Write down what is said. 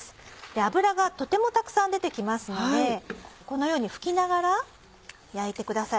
脂がとてもたくさん出て来ますのでこのように拭きながら焼いてください。